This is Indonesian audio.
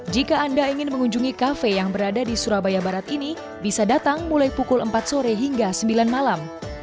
jika anda ingin mengunjungi kafe yang berada di surabaya barat ini bisa datang mulai pukul empat sore hingga sembilan malam